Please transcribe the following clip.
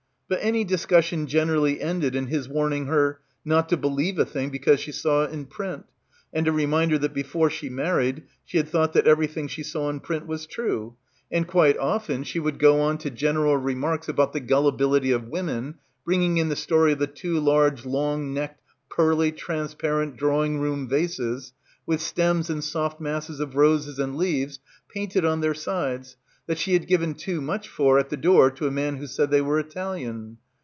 But any discussion generally ended in his warning her not to believe a thing because she saw it in print, and a reminder that before she married she had thought that everything she — 90 — BACKWATER saw in print was true, and quite often he would go on to general remarks about the gullibility of women, bringing in the story of the two large long necked pearly transparent drawing room vases with stems and soft masses of roses and leaves painted on their sides that she had given too much for at the door to a man who said they were Italian.